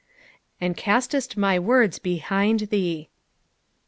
"And autestmy word* behind thte."